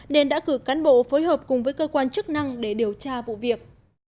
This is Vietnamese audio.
nên đã cử cán bộ phối hợp cùng với cơ quan chức năng để điều tra vụ việc